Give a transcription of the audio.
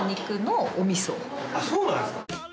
あっそうなんですか。